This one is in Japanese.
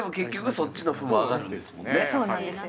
そうなんですよ。